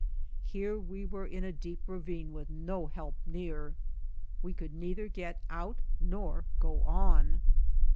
Here we were in a deep ravine with no help near. We could neither get out nor /go on.